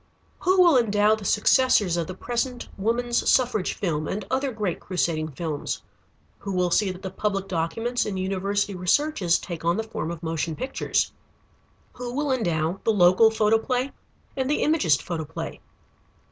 Who will endow the successors of the present woman's suffrage film, and other great crusading films? Who will see that the public documents and university researches take on the form of motion pictures? Who will endow the local photoplay and the Imagist photoplay?